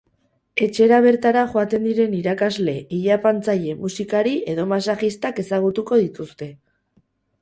Etxera bertara joaten diren irakasle, ileapaintzaile, musikari edo masajistak ezagutuko dituzte.